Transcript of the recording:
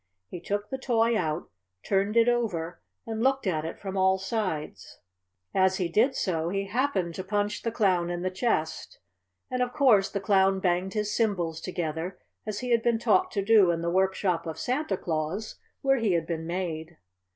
He took the toy out, turned it over and looked at it from all sides. As he did so he happened to punch the Clown in the chest, and of course the Clown banged his cymbals together, as he had been taught to do in the workshop of Santa Claus, where he had been made.